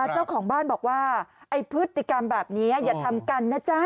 เจ้าของบ้านบอกว่าไอ้พฤติกรรมแบบนี้อย่าทำกันนะจ๊ะ